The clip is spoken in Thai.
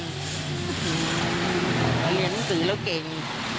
เรียนหนังสือแล้วเก่ง